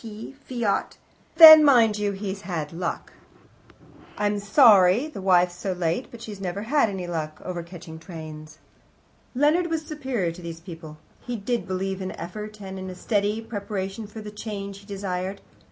p. Fiat, but then, mind you, he's had luck. ... I'm sorry the wife's so late, but she never has any luck over catching trains." Leonard was superior to these people; he did believe in effort and in a steady preparation for the change that he desired.